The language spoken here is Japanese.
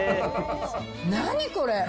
何これ。